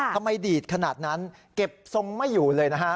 ทำไมดีดขนาดนั้นเก็บทรงไม่อยู่เลยนะฮะ